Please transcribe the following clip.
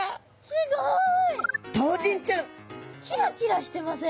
すごい。